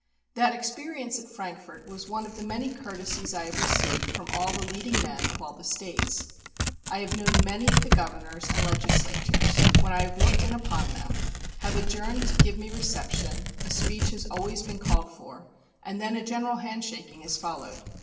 That experience at Frankfort was one of the many courtesies I have received from all the leading men of all the States. I have known many of the Governors, and Legislatures, when I have looked in upon them, have adjourned to give me reception, a speech has always been called for, and then a general hand shaking has followed.